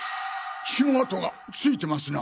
血の跡が付いてますな。